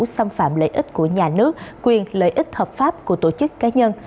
xâm phạm lợi ích của nhà nước quyền lợi ích hợp pháp của tổ chức cá nhân